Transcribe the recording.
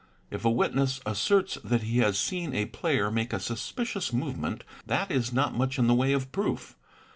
If a witness asserts that he has seen a player make a suspicious movement, that is not much in the way of proof.